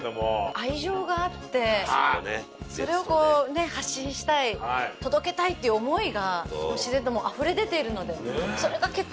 愛情があってそれをこう発信したい届けたいっていう思いがもう自然とあふれ出ているのでそれが結果